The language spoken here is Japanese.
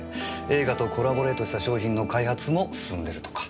映画とコラボレートした商品の開発も進んでるとか。